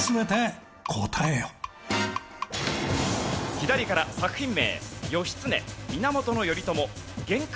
左から作品名『義経』『源頼朝』『源九郎義経』。